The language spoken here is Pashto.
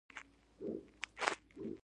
آیا د توت ونې په هر کلي کې نشته؟